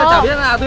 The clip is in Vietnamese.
chả ra gì đâu